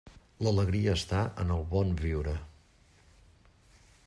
L'alegria està en el bon viure.